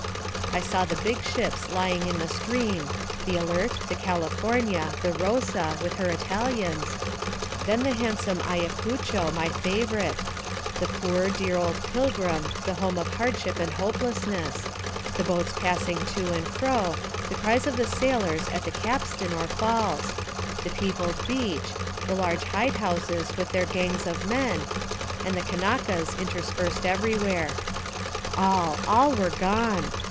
I saw the big ships lying in the stream, the Alert, the California, the Rosa, with her Italians; then the handsome Ayacucho, my favorite; the poor, dear old Pilgrim, the home of hardship and hopelessness; the boats passing to and fro; the cries of the sailors at the capstan or falls; the peopled beach; the large hide houses with their gangs of men; and the Kanakas interspersed everywhere. All, all were gone!